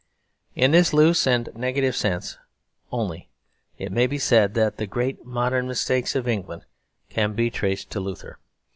In this loose and negative sense only it may be said that the great modern mistakes of England can be traced to Luther.